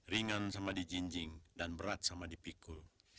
ringan sama dijinjing dan berat sama dipikul